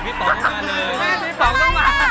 ป๋องต้องมาเลยพี่ป๋องต้องมา